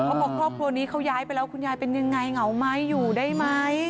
บอกครอบครัวนี้เขาย้ายไปแล้วคุณยายเป็นยังไงเหงาไหมอยู่ได้ไหม